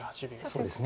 そうですね。